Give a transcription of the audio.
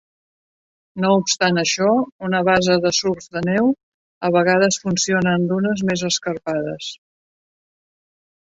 No obstant això, una base de surf de neu a vegades funciona en dunes més escarpades.